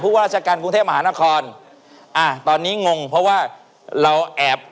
ว่าราชการกรุงเทพมหานครอ่าตอนนี้งงเพราะว่าเราแอบ